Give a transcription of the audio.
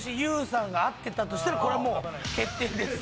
ＹＯＵさんが会ってたとしたらこれはもう決定です